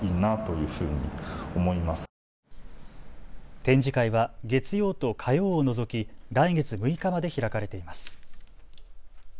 展示会は月曜と火曜を除き来月６日まで開かれています。